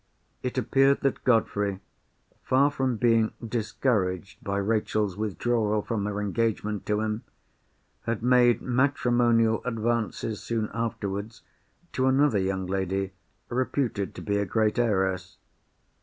It appeared that Godfrey, far from being discouraged by Rachel's withdrawal from her engagement to him had made matrimonial advances soon afterwards to another young lady, reputed to be a great heiress.